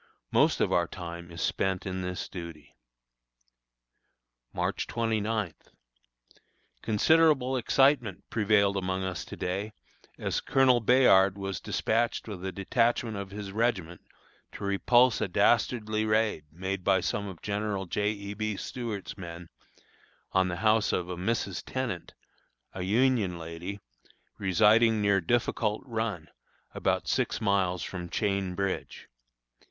Most of our time is spent in this duty. March 29. Considerable excitement prevailed among us to day, as Colonel Bayard was dispatched with a detachment of his regiment to repulse a dastardly raid made by some of General J. E. B. Stuart's men, on the house of a Mrs. Tenant, a Union lady, residing near Difficult Run, about six miles from Chain Bridge.